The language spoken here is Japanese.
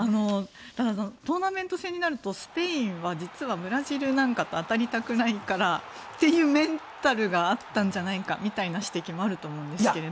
トーナメント制になるとスペインは実は、ブラジルなんかと当たりたくないからというメンタルがあったんじゃないかみたいな指摘もあると思うんですけど。